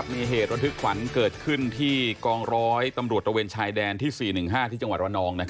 มีเหตุระทึกขวัญเกิดขึ้นที่กองร้อยตำรวจระเวนชายแดนที่๔๑๕ที่จังหวัดระนอง